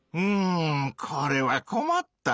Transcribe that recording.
これはこまったなぁ。